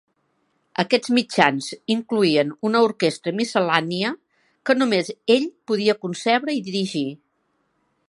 Aquests mitjans incloïen una orquestra miscel·lània que només ell podia concebre i dirigir.